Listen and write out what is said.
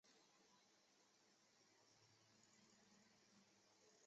最后鲁国在战国末期被楚国所灭。